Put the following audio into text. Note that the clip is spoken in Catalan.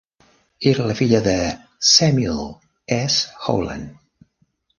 Era la filla de Samuel S. Howland.